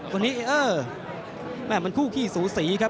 วันนี้เออแม่มันคู่ขี้สูสีครับ